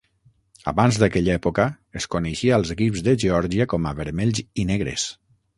Abans d'aquella època, es coneixia als equips de Geòrgia com a vermells i negres.